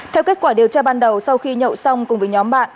theo kết quả điều tra ban đầu sau khi nhậu xong cùng với nhóm bạn